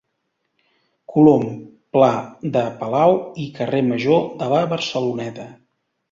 Colom, Pla de Palau i carrer major de la Barceloneta.